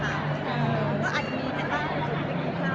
แต่ทวนนี้สดสดยังว่างอยู่มั้ยครับ